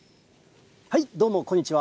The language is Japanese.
どうも、こんにちは。